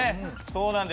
そうなんです。